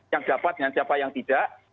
yang dapat dengan siapa yang tidak